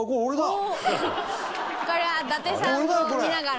これは伊達さんを見ながら。